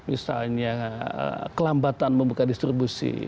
misalnya kelembatan membuka distribusi